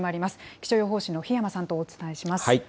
気象予報士の檜山さんとお伝えします。